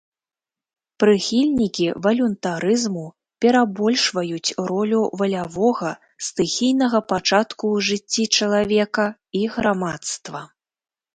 Прыхільнікі валюнтарызму перабольшваюць ролю валявога, стыхійнага пачатку ў жыцці чалавека і грамадства.